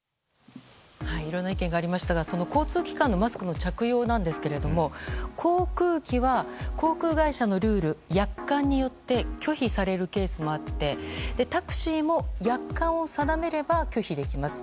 いろんな意見がありましたが交通機関のマスクの着用なんですけれども航空機は航空会社のルール約款によって拒否されるケースもあってタクシーも約款を定めれば拒否できます。